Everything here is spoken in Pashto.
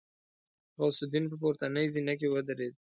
غوث الدين په پورتنۍ زينه کې ودرېد.